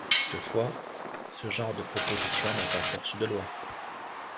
Toutefois, ce genre de proposition n'a pas force de loi.